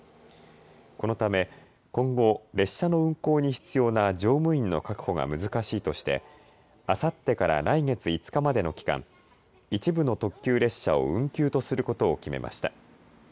このため今後、列車の運行に必要な乗務員の確保が難しいとしてあさってから来月５日までの期間、一部の特急列車を運休とすることを決めました。